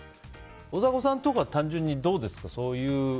大迫さんとか単純にどうですか？